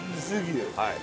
はい。